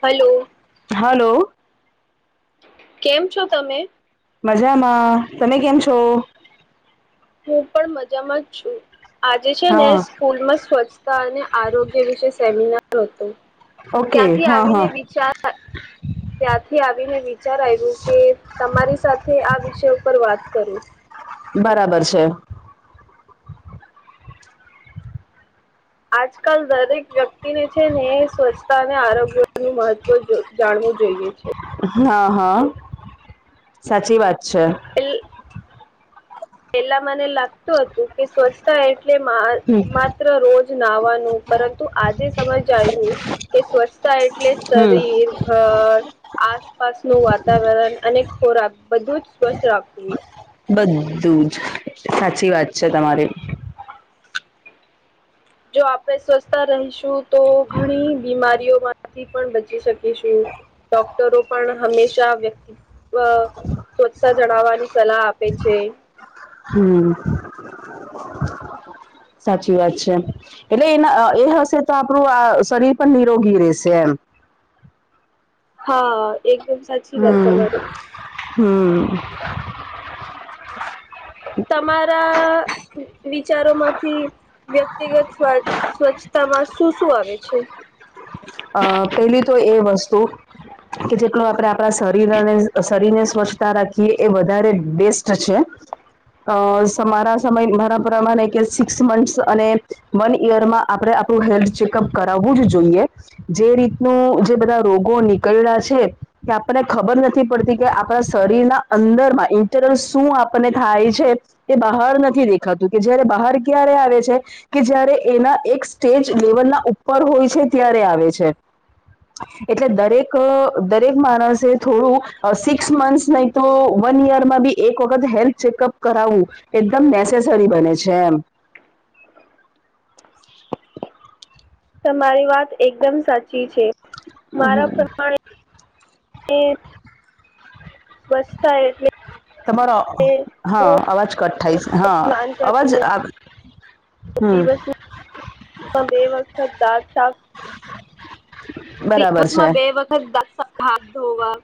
Hello. Hello. કેમ છો તમે. મજામાં તમે કેમ છો. હું પણ મજામાં જ છું આજે છે ને હા સ્કૂલ માં સ્વચ્છ અને આરોગ્ય વિશે સેમિનાર હતો ઓકે ત્યાંથી હા આવીને હા વિચાર હા [inaudible] ત્યાંથી આવીને વિચાર આવ્યું કે તમારી સાથે આ વિષય ઉપર વાત કરું. બરાબર છે. આજકાલ દરેક વ્યક્તિને છે ને સ્વચ્છતા અને આરોગ્ય નું મહત્વ જાણવું જોઈએ છે. હા હા સાચી વાત છે. એલ પેલા મને લાગતું હતું કે સ્વચ્છતા એટલે હમ મા રોજ નાવાનું પરંતુ આજે સમજ આવ્યું કે સ્વસ્થ એટલે હમ શરીર ઘર આસપાસનું વાતાવરણ અને ખોરાક બધું જ સ્વચ્છ રાખવું. બધું જ સાચી વાત છે તમારી. જો આપણે સ્વસ્છતા રહીશું તો ઘણી બીમારીઓમાં થી પણ બચી શકીશું ડોક્ટરો પણ હંમેશા વ્યક્તિ અ સ્વચ્છતા જણાવવાની સલાહ આપે છે. હમ. સાચી વાત છે એટલે એના એ હશે તો આપણું આ શરીર પણ નિરોગી રહેેશે એમ. હા. એકદમ સાચી વાત હમ તમારી હમ. તમારા વિચારોમાંથી વ્યક્તિગત સ્ સ્વચ્છતામાં શું શું આવે છે. અ પેલી તો એ વસ્તુ કે જેટલું આપણે આપણા શરીર અને શરીર ને સ્વચ્છતા રાખીએ એ વધારે બેસ્ટ છે. અ મારા સમય મારા પ્રરામા કે સિક્સ મંથસ અને વન ઈયર માં આપડે આપણું હેલ્થ ચેકઅપ કરાવવું જ જોઈએ. જે રીતનું જે બધા રોગો નીકળ્યા છે. કે આપણને ખબર નથી પડતી કે આપણા શરીરના અંદરમાં ઇન્ટરલ શું આપણને થાય છે. એ બહાર નથી દેખાતું કે જયારે બહાર ક્યારે આવે છે કે જય્યારે એના એક સ્ટેજ લેવલના ઉપર હોય છે ત્યારે આવે છે એટલે દરેક દરેક માણસે થોડું સિક્સ મંથસ ન તો વન યરમાં બી એક વખત હેલ્થ ચેકઅપ કરાવવું એકદમ નેસેસરી બને છે એમ તમારી વાત એકદમ સાચી છે મારા પ્રમાણે સ્વચ્છતા એટલે તમારો હા અવાજ કઠ્ઠઇશ રોજ હા સ્નાન અવાજ આ દિવસ બે વખત દાંત સાબ બરાબર છે દિવસમાં બે વખત દસ હાથ ધોવા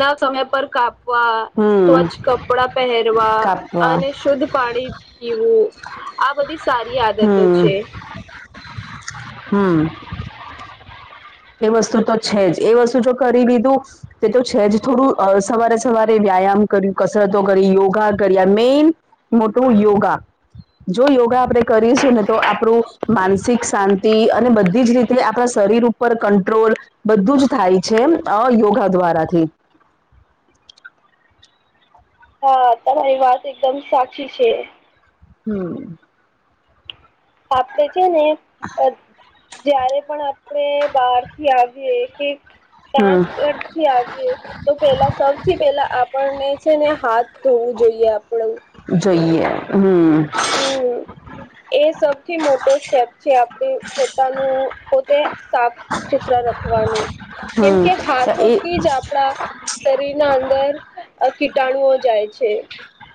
ના સમય પર કાપ [unintelligible] હમ સ્વચ્છ કપડા પહેરવા કાપવા અને શુદ્ધ પાણી પીવું આ બધી સારી આદતો હમ છે હમ એ વસ્તુ તો છે જ એ વસ્તુ જો કરી દીધું તે તો છે જ થોડું સવારે સવારે વ્યાયામ કર્યું કસરતો કરી યોગા કર્યા મેન મોટું યોગા જો યોગા આપણે કરીશું ને તો આપણું માનસિક શાંતિ અને બધી જ રીતે આપણા શરીર પર કંટ્રોલ બધું જ થાય છે યોગા દ્વારાથી હા તમારી વાત એકદમ સાચી છે હમ આપણેે છે ને જ્યારે પણ આપણે બહાર થી આવીએ કે હમ કં તો પેલા સૌથી પેલા આપણને છે ને હાથ ધોવું જોઈએ આપડું જઈએ હમ [inaudible] હ એ સૌથી મોટો સ્ટેપ છે આપણે પોતાનું પોતે સાફ ચિત્ર રખવાનું કેમ હમ કે એ હાથોથી જ આપણા શરીર ના અંદર કીટાણુઓ જાય છે.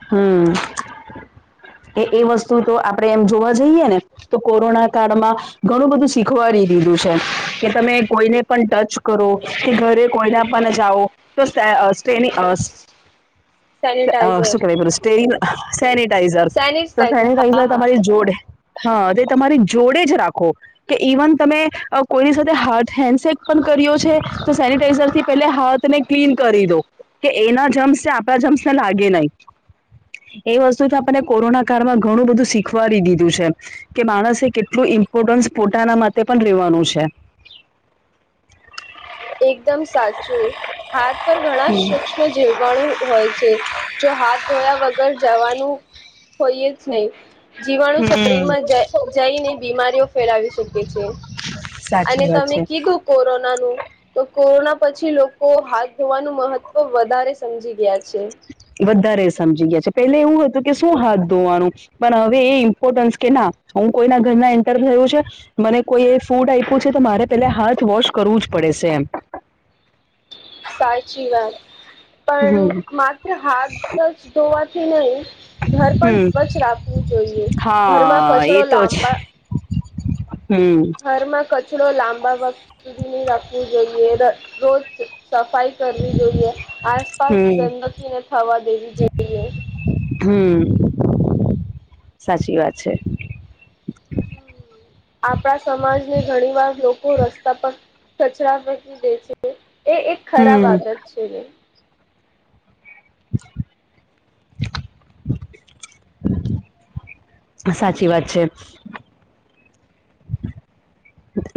હમ્મ. કે એ વસ્તુ તો આપડે એમ જોવા જઈએ ને તો કોરોના કાળમાં ઘણું બધું શીખવાડી દીધું છે કે તમે કોઈને પણ ટચ કરો કે ઘરે કોઈને પણ જાઓ તો્રેની સેનિટાઈઝર સુકરે પર સ્ટ સનીિટાઈઝર તો સેનિટાઈઝર હા સેનેટાઈઝર હા તમારી જોડે હા તે તમારી જોડે જ રાખો. કે ઇવન તમે કોઈની સાથે હાથ હેન્ડસેક પણ કર્યો છે તો સેનિટાઈઝર થી પે હાથ ને ક્લીન કરી દો કે એના જમ્સ આપણા જમ્સ ને લાગે નહી. એ વસ્તુ તો આપને કોરોના કાળમાં ઘણું બધું શીખવાડી દીધું છે. કે માણસે કેટલું ઇમ્પોર્ટન્સ પોતાના માટે પણ રેવાનું છે. એકદમ સાચું હાથ પર ઘણા સૂક્ષ જીવવાણું હોય છે જો હાથ ધોયા વગર જવાનું હોઈ જ નહી જીવાણુ શરીરમાં જ જઈને બીમારીઓ ફેલાવી શકે છે. સાચી અને વાત તમે છે. કીધું કોરોનાનું. તો કોરોના પછી લોકો હાથ ધોવાનું મહત્વ વધારે સમજી ગયા છે. વધારે સમજી ગયા છે પેલે એવું હતું કે શું હાથ ધોવાનું. પણ હવે એ ઇમ્પોર્ટન્સ કે ના હું કોઈના ઘરના એન્ટર થયું છે. મને કોઈ એ ફૂડ આપ્યું છે તો મારે પેલા હાથ વોશ કરવું જ પડે છે એમ. સાારચી વાત પણ હમ માત્રત્ર હથ જ ધોવાતી નહી. ઘર પણ હમ સ્વચ્છ રાખવું જોઈએ ઘરમાં કચરો લાંબા હમ્મ. ઘરમાં કચરો લાંબા વખ સુધી નહી રાખવું જોઈએ રોજ સફાઈ કરવી જોઈએ આ પાસ હમ ગણપતિ ને થવા દેવી જો. હમ સાચી વાત છે. આપણા સમાજને ઘણી વાર લોકો રસ્તા પર કચરા ફકી દે છે. એ એક ખરા હમ આદત છે ને. [inaudible] [inaudible] સાચી વાત છે.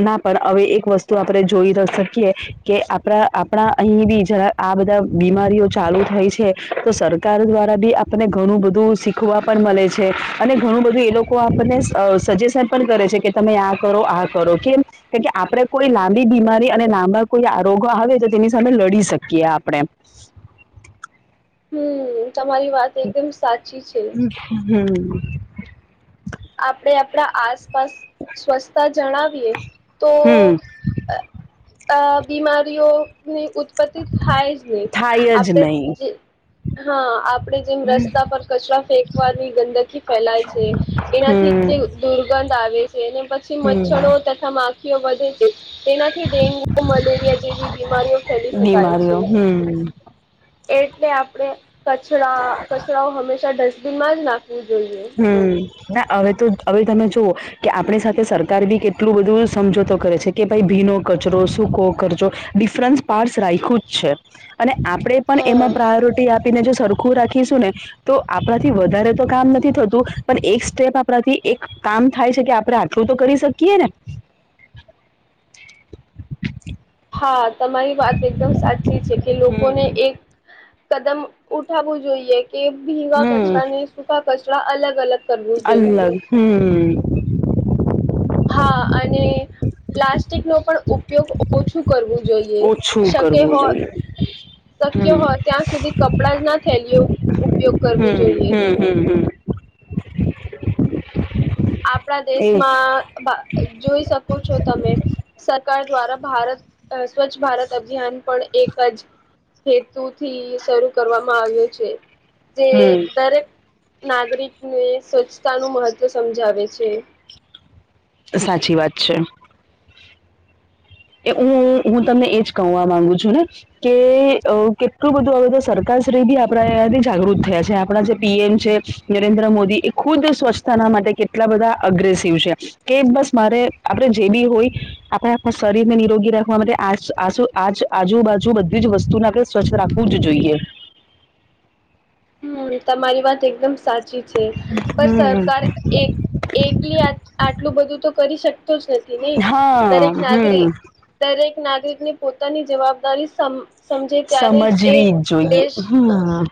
ના પણ હવે એક વસ્તુ આપણે જોઈ શકીએ, કે આપણા આપણા અહી બી જરા. આ બધા બીમારીઓ ચાલુ થાય છે. તો સરકાર દ્વારા બી આપને ઘણું બધું ખવા પણ મળે છે. અને ઘણું બધું એ લોકો આપણને સજેશન પણ કરે છે. કે તમે આ કરો આ કરો કેમ. કે કે આપડે કોઈ લાંબી બીમારી અને લાંબા કોઈ આ રોગો આવે તો તેની સામે લડી શકીએ આપણે. હમ્મ તમારી વાત એકદમ સાચી છે. [unintelligible] આપણે આપણા આસપાસ સ્વચ્છતા જણાવીએ તો હમ અ બીમારીઓની ઉત્પત્તિ થાય જ થાય જ આપણે નહીં. જે હા આપડે જેમ રસ્તા પર કચરા ફેંકવાની ગંદકી ફેલાય છે. હમ જે દુર્ગંધ આવે છે અને પછી હમ મચ્છરો તથા વધે છે તેનાથી ડેન્ગુ, મલેરિયા જેવી બીમારીઓ ફેલી શકાય છે. હમ્મ. એટલે આપડણે કચરા કચરાઓ હંમેશા ડસ્ટબિનમાં જ નાખવું જોઈએ. હમ્મ ના હવે તો હવે તમે જુઓ. કે આપણી સાથે સરકાર બી કેટલું બધું સમજોતો કરે છે. કે ભાઈ ભીનો કચરો, સૂકો કરચો. ડિફરન્સ પાર્ટસ રાખ્યું જ છે અને આપણે પણ હા એમાં પ્રાયોરિટી આપી. ને જો સરખું રાખીશું ને, તો આપડા થી વધારે તો કામ નથી. થતું પણ એક સ્ટેપ આપણાથી એક કામ થાય છે કે, આપણે આટલું તો કરી શકીએ ને. હા તમારી વાત એકદમ સાચી છે કે લોકોને હમ એક કદમ ઉઠાવવું જોઈએ. કે ભીના કચરા ને સૂકા કચરા અલગ અલગ કરવું જોઈએ અલગ હમ્મ. હા અને પ્લાસ્ટિક નો પણ ઉપયોગ ઓછું કરવું જોએ. જોય એ ઓછું શક્ય કરવું હોય જોઈએ શક્ય હમ હોય ત્યાં સુધી ક કપડા જ ના થેલયો. હમ્મ હમ્મ હમ્મ આપણા એ દેશમાં. જોઈ શકો છો તમે, સરકાર દ્વારા ભારત સ્વચ્છ ભારત અભિયાન. પણ એક જ હેતુથી શરૂ કરવામાં આવ્યો છે. જે હમ દરેક નાગરિકને સ્વચ્છતા નું મહત્વ સમજાવે છે. સાચી વાત છે. એ હું હું તમને એજ કહવા માંગુ છું, ને કે કેટલું બધું હવેતો સરકારશ્રી બી આપણા એથી જાગૃત થયા છે, આપણા જે પીએમ છે. નરેન્દ્ર મોદી એ ખુદ સ્વચ્છતાના માટે, કેટલા બધા અગ્રેસિવ છે. કે બસ મારે આપડે જે બી હોય આપડ. શરીર ને નિરોગી રાખવા માટે, આ આજુબાજુ બધી જ વસ્તુને આપણે સ્વચ્છ રાખવું જ જોઈએ. હમ્મ તમારી વાત એકદમ સાચી છે. પણ હમ સરકાર એક. એકલી આટલું બધું તો કરી શકતું જ નથી નહી. દરેક હા હમ નાગરિક. દરેક નાગરિકને પોતાની જવાબદારી સમ સમજે. ત્યારે જ એ દેશ. હમ્મ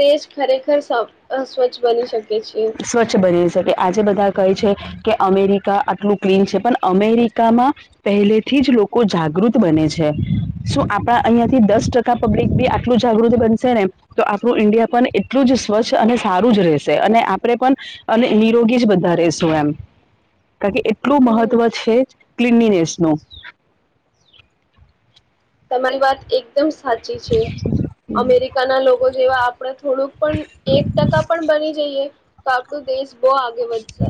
દેશ ખરેખર સ્વચ્છ બની શકે છે. સ્વચ્છ બની રહે છે. એટલે આજે બધા કહે છે. કે અમેરિકા આટલું ક્લીન છે. પણ અમેરિકામાં. પહેલેથી જ લોકો જાગૃત બને છે. શું આપણા અહિયા થી દસ ટકા. પબ્લિક બી આટલું જાગૃત બનશે ને. તો આપણું ઈન્ડિયા પણ એટલું જ સ્વચ્છ અને સારું જ રહેશે અને આ આપણે પણ અને નિરોગી જ બધા રશું એમ. કારણ કે એટલું હમ મહત્વ છે, ક્લીનીનેસનું. તમારી વાત એકદમ સાચી છે. અમેરિકાના લોકો જેવા આપણે થોડુંક પણ એક ટકા પણ બની જઈએ. તો આપણું દેશ બહુ આગે વધશે.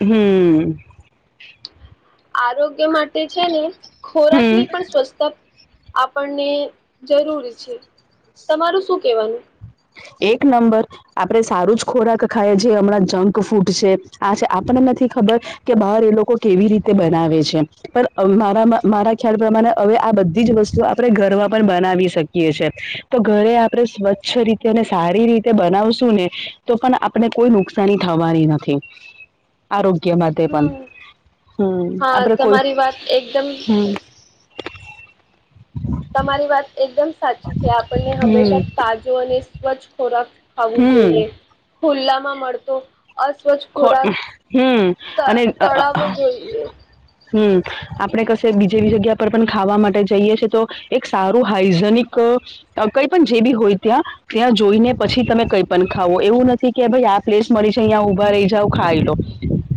હમ્મ આરોગ્ય માટે છે, ને હમ ખોરાકની પણ સ્વચ્છતા. આપણને જરૂરી છે, તમારું શું કહેવાનું. એક નંબર. આપણે સારું જ ખોરાક ખાઈએ, જે હમણાં જંક ફૂડ છે, આ છે, આપણને નથી ખબર. કે બહાર એ લોકો કેવી રીતે બનાવે છે. પણ મારા મારા ખ્યાલ પ્રમાણે હવે આ બધી જ વસ્તુ આપણે ઘરમાં પણ બનાવી શકીએ છે. તો ઘરે આપણે સ્વચ્છ રીતે. ને સારી રીતે બનાવશું, નેતો પણ આપણે કોઈ નુકસાની થવાની નથી. [inaudible] આરોગ્ય માટે. હમ પણ હમ હા આપણે કોઈ તમારી વાત એકદમ. તમારી વાત એકદમ સાચી છે, આપણને હંમેશા હમ તાજો અને સ્વચ્છ ખોરાક. ખાવું હમ જોઈએ, ખુલ્લામાં મળતો. અસ્વચ્છ ખો ખોરાક હમ તળાવો જોઈએ. હમ્મ આપણે કશે બીજી બી જગ્યા પર પણ ખાવા માટે જઈએ છે, તો એક સારું હાઈજેનિક. કોઈપણ જેબી હોય ત્યાં ત્યાં જોઈને, પછી તમે કંઈ પણ ખાવો એવું નથી. કે ભાઈ આ પ્લેસ મળી છે, અહીં ઉભા રહી જાવ ખાઈલો.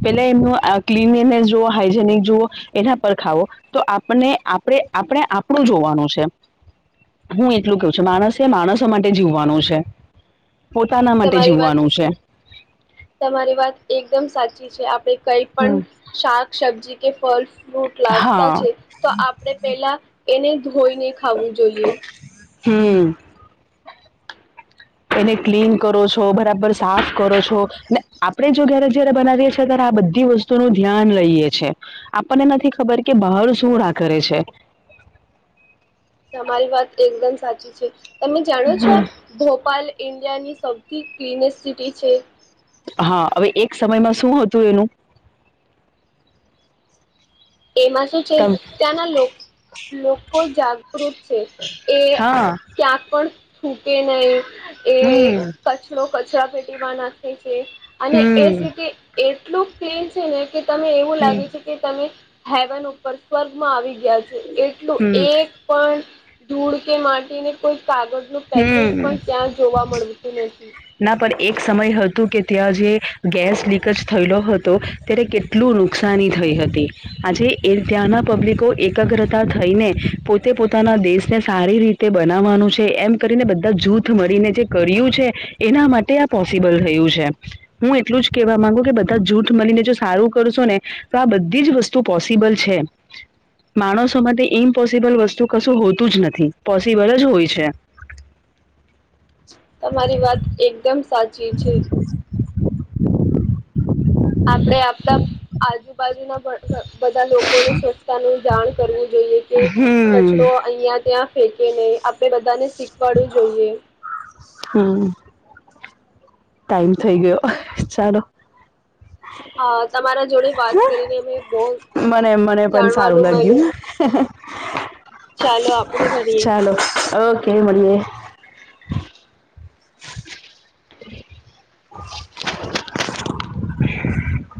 પેલા એમનું ક્લીનલીનેસ જુઓ હાઈઇજેનિક જુવો. એના પર ખાવો તો આપને આપણે આપણે આપણું જોવાનું છે. હું એટલું કેવ છું, માણસે માણસો માટે જીવવાનું છે, પોતાના માટે તમારી વાત જીવવાનું છે. તમારી વાત એકદમ સાચી છે, આપણે કઈ પણ શાક સબ્જી કે ફળ. રૂટ લાગતા હા છે, તો આપણેે પેલા એને ધોઈને ખાવું જોઈએ. હમ. એને ક્લીન કરો છો, બરાબર સાફ કરો છો, ને આપણે જો ઘરે જયારે બનાવીએ છીએ, ત્યારે આ બધી વસ્તુ. થોડું ધ્યાન લઈએ છે, આપણને નથી ખબર કે બહાર સુંળા કરે છે. તમારી વાત એકદમ સાચી છે, તમે જાણો છો. ભોપાલ ઇન્ડિયાની સૌથી ક્લીનેસ્ટ સિટી છે. હા હવે એક સમયમાં શું હતું એનું એમાં શ તમ ત્યાંના લો લોકો જાગૃત છે એ હા ક્યાંક પણ છૂ, કે નહીં એ હમ કચરો કચરા પેટીમાં નાખે છે, અને એ હમ સિટી એટલું ક્લીન છે ને કે તમે એવું લાગે છે, કે તમે હેવન ઉપર સ્વર્ગમાં આવી ગયા છો. એટલું હમ એક પણ ધૂળકે માટીને કોઈ કાગળનું હમ પેકેટ હમ પણ ક્યાં જોવા મળતું નથી. ના પણ એક સમય હતું, કે ત્યાં જે ગેસ લીકેજ થયેલો હતો ત્યારે એટલું નુકસાની થઈ હતી, આજે એ ત્યાંના પબ્લિકો એકાગ્રતા થઈને તે પોતાના દેશને સારી રીતે બનાવવાનું છે, એમ કરીને બધા જૂથ મળીને જે કર્યું છે. એના માટે આ પોસિબલ થયું છે. હું એટલું જ કેહેવા માંગુ કે બધા જૂથ મળીને જો સારું કરશોને તોઆ બધી જ વસ્તુ પોસિબલ છે. માણસો માટે ઇમ્પોસિબલ વસ્તુ કશું હોતું જ નથી, પોસિબલ જ હોય છે. [unintelligible] [inaudible] [inaudible] તમારી વાત એકદમ સાચી છે. આપડે આપણા આજુ બાજુના બધા લોકોને સ્વચ્છતાને જાણ કરવું જોઈએ કે હમ કચરો અહિયાં ત્યાં ફેંકે નહીં આપડે બધાને શીખવાડવું જોઈએ [unintelligible] હમ. ટાઈમ થઈ ગયો ચાલો. હા તમારા જોડે વાત કરીને અ બહુ મને મને પણ સારું જાણવાનું મળ્યું. લાગ્યું ચાલો આપડે મળીએ ચાલો ઓકે મળીએ